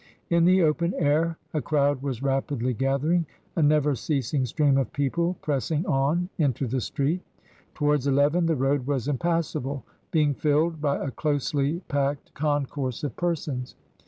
In the open air a crowd was rapidly gathering, a never ceasing stream of people pressing on into the street. Towards eleven the road was impassable, being filled by a closely packed con course of persons.